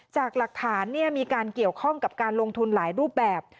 จากหลักฐานมีการเกี่ยวข้องกับการลงทุนหลายรูปแบบ